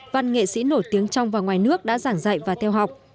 văn nghệ sĩ nổi tiếng trong và ngoài nước đã giảng dạy và theo học